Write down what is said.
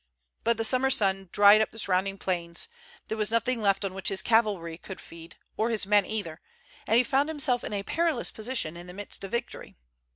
But the summer sun dried up the surrounding plains; there was nothing left on which his cavalry could feed, or his men either, and he found himself in a perilous position in the midst of victory.